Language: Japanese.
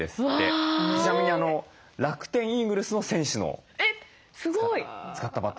ちなみに楽天イーグルスの選手の使ったバット。